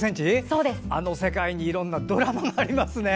あの世界にいろんなドラマがありますね。